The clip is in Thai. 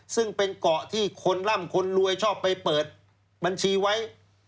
ซึ่งเป็นเกาะที่คนร่ำคนรวยชอบไปเปิดบัญชีไว้